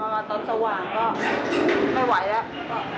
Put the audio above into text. พอตอนสว่างก็ไม่ไหวแล้ว